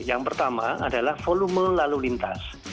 yang pertama adalah volume lalu lintas